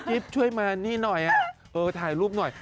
ช่วยมานี่หน่อยถ่ายรูปหน่อย